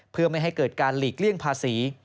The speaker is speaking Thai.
เพื่อไม่ให้เกิดการหลีกเลี่ยงภาษี